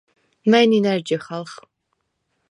მა̈ჲ ნჷნა̈რ ჯიხალხ?